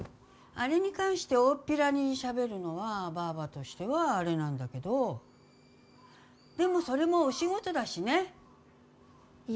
アレに関しておおっぴらに、しゃべるのはバァバとしてはアレなんだけどでもそれも、お仕事だしね。